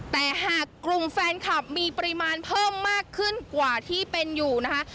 แต่หากกลุ่มแฟนคลับมีปริมาณเพิ่มมากขึ้นกว่าที่เป็นอยู่นะคะ